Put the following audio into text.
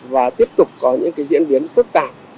và tiếp tục có những diễn biến phức tạp